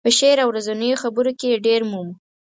په شعر او ورځنیو خبرو کې یې ډېر مومو.